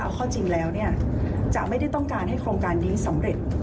เอาข้อจริงแล้วจะไม่ได้ต้องการให้โครงการนี้สำเร็จ